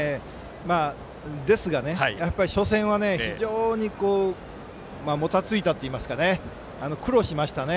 ですが初戦は非常に、もたついたといいますか苦労しましたね。